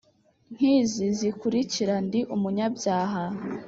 nki izi zikurikira Ndi umunyabyaha